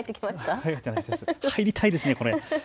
入りたいですね、これ。